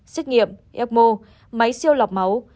xét nghiệm ecmo máy siêu lọc máu